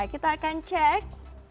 kita akan cek